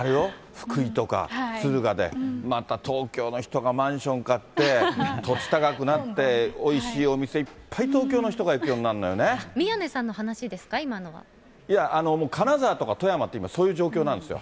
福井とか敦賀でまた東京の人がマンション買って、土地高くなって、おいしいお店いっぱい、宮根さんの話ですか、いや、もう金沢とか富山って、今、そういう状況なんですよ。